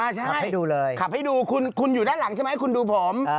ใช่ขับให้ดูเลยขับให้ดูคุณอยู่ด้านหลังใช่ไหมคุณดูผม